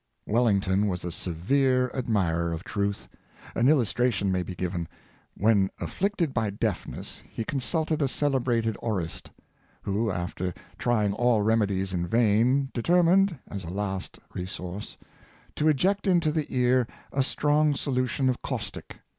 '" Wellington was a severe admirer of truth. An illus tration may be given. When afflicted by deafness, he consulted a celebrated aurist, who, after trying all remedies in vain, determined, as a last resource, to eject into the ear a strong solution of caustic.